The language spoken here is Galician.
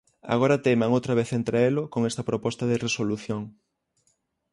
Agora teiman outra vez en traelo con esta proposta de resolución.